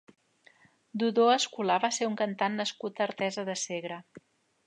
Dodó Escolà va ser un cantant nascut a Artesa de Segre.